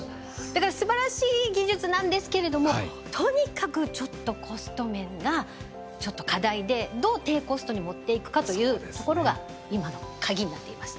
だからすばらしい技術なんですけれどもとにかくちょっとコスト面がちょっと課題でどう低コストに持っていくかというところが今のカギになっています。